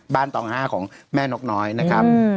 บ้านต่องห้าของแม่นกน้อยนะครับอืม